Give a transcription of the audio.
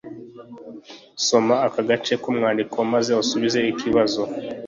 Soma aka gace k umwandiko maze usubize ibibazo